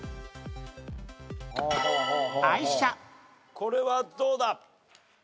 これはどうだ？